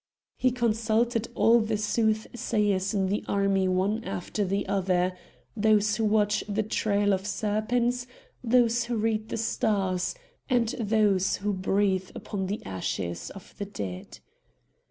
He consulted all the soothsayers in the army one after the other,—those who watch the trail of serpents, those who read the stars, and those who breathe upon the ashes of the dead.